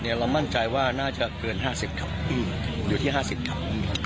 เรามั่นใจว่าน่าจะเกิน๕๐ครับอยู่ที่๕๐ครับ